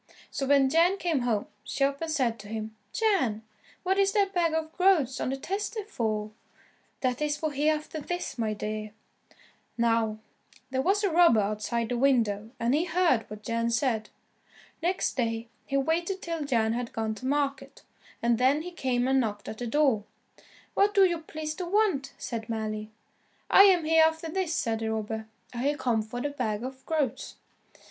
So when Jan came home, she up and said to him, "Jan, what is that bag of groats on the tester for?" "That is for Hereafterthis, my dear." Now, there was a robber outside the window, and he heard what Jan said. Next day, he waited till Jan had gone to market, and then he came and knocked at the door. "What do you please to want?" said Mally. "I am Hereafterthis," said the robber, "I have come for the bag of groats."